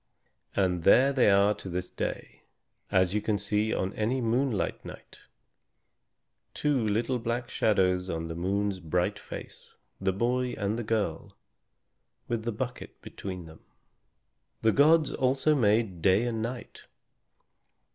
And there they are to this day, as you can see on any moonlight night, two little black shadows on the moon's bright face, the boy and the girl, with the bucket between them. The gods also made Day and Night.